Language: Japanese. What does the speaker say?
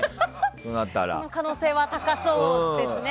その可能性は高そうですね。